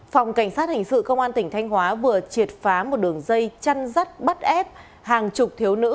phòng cảnh sát hình sự công an tỉnh thanh hóa vừa triệt phá một đường dây chăn rắt bắt ép hàng chục thiếu nữ